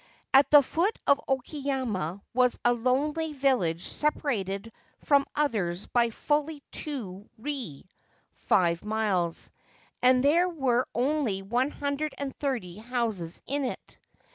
At the foot of Oki yama was a lonely village, separated from others by fully two ri (five miles), and there were only one hundred and thirty houses in it.